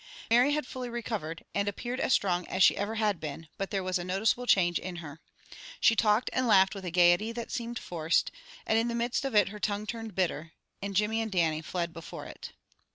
Mary had fully recovered, and appeared as strong as she ever had been, but there was a noticeable change in her. She talked and laughed with a gayety that seemed forced, and in the midst of it her tongue turned bitter, and Jimmy and Dannie fled before it.